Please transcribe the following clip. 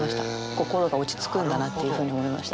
心が落ち着くんだなっていうふうに思いました。